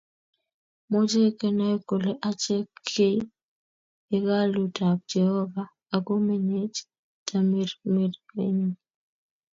Mochei kenai kole achek kei hekalut ab Jehovah akomenyech tamirmirenyi